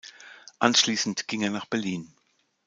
Anschließend ging er nach Berlin.